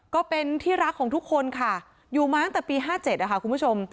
ก็เป็นที่รักของทุกคนค่ะอยู่มาตั้งแต่ปี๕๗นะคะคุณผู้ชม